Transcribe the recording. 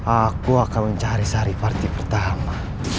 aku akan mencari saripati pertama